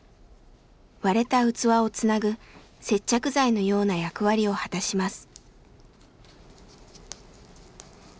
割れた器をつなぐ接着剤のような役割を果たします。